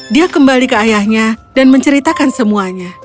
dia kembali ke ayahnya dan menceritakan semuanya